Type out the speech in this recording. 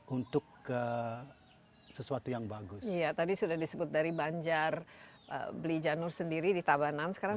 untuk ke sesuatu yang bagus ya tadi sudah disebut dari banjar beli janur sendiri di tabanan sekarang